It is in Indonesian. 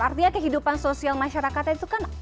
artinya kehidupan sosial masyarakatnya itu kan